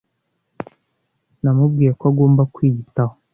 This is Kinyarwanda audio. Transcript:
namubwiye ko agomba kwiyitaho